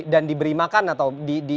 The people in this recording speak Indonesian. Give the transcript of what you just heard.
dan diberi makan atau